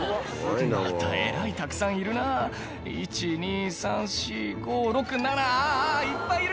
またえらいたくさんいるな１・２・３・４・５・６・７あぁいっぱいいる！